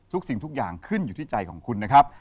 สิ่งทุกอย่างขึ้นอยู่ที่ใจของคุณนะครับ